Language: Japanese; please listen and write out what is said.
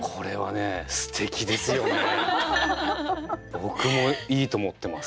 僕もいいと思ってます。